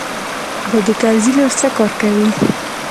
دا د کرزي لور څه کار کوي.